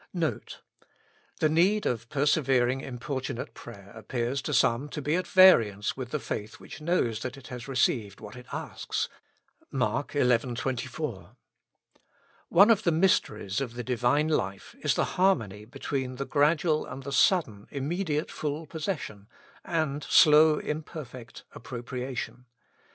NOTE. The need of persevering importunate prayer ap pears to some to be at variance with the faith which knows that it has received what it asks (Mark xi. 24). One of the mysteries of the Divine life is the harmony between the gradual and the sudden, immediate full possession, and slow imperfect appropriation.